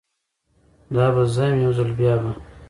دا به زه یم، یوځل بیا به